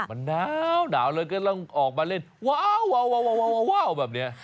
มันหนาวเลยก็ต้องออกมาเล่นว้าวแบบนี้